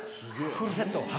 フルセットはい。